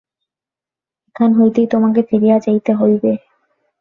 এখান হইতেই তোমাকে ফিরিয়া যাইতে হইবে।